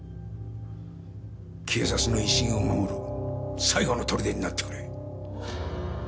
警察の威信を守る最後の砦になってくれ。